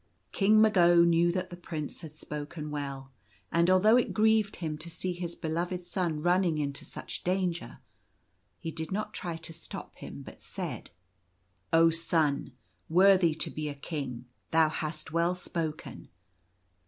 King Mago knew that the Prince had spoken well ; and although it grieved him to see his beloved son running into such danger, he did not try to stop him, but said :" Oh, son, worthy to be a king, thou hast well spoken